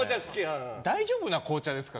大丈夫な紅茶ですか？